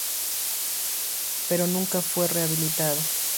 Pero nunca fue rehabilitado.